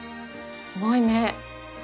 すごいね。